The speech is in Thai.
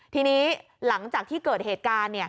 ทีนี้หลังจากที่เกิดเหตุการณ์